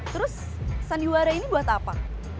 terus sandiwara ini buat apa